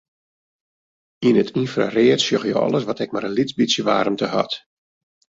Yn it ynfraread sjogge je alles wat ek mar in lyts bytsje waarmte hat.